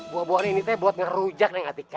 buah buahan ini teh buat ngerujak nih atika